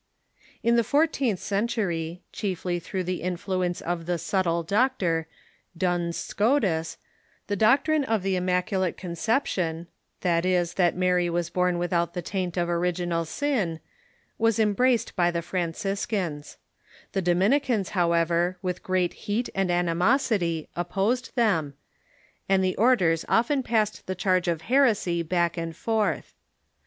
In the fourteenth century, chiefly through the influence of the "Subtle Doctor," Duns Scotus, the doctrine of the Immacu late Conception — that is, that Mary was born with l'""'^'^"'.^*® out the taint of original sin — was embraced by the Conception _»__^' Franciscans. The Dominicans, however, with great heat and animosity, opposed them, and the orders often passed the charge of heresy back and forth.